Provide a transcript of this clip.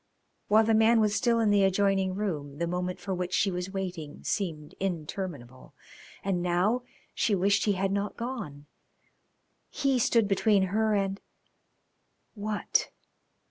While the man was still in the adjoining room the moment for which she was waiting seemed interminable. And now she wished he had not gone. He stood between her and what?